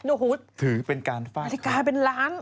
โอ้โฮนาฬิกาเป็นล้าน